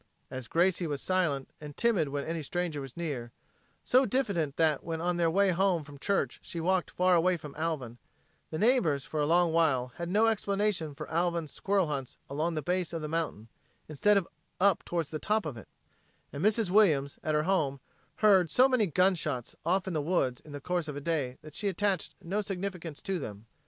As Gracie was silent and timid when any stranger was near, so diffident that when on their way home from church she walked far away from Alvin, the neighbors for a long while had no explanation for Alvin's squirrel hunts along the base of the mountain instead of up toward the top of it; and Mrs. Williams, at her home, heard so many gunshots off in the woods in the course of a day that she attached no significance to them.